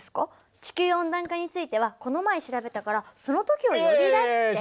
地球温暖化についてはこの前調べたからそのときを呼び出して。